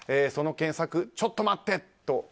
その検索、ちょっとまって！と。